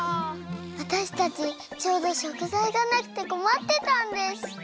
わたしたちちょうどしょくざいがなくてこまってたんです。